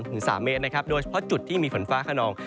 ถึง๓เมตรนะครับโดยเฉพาะจุดที่มีฝนฟ้าขนอง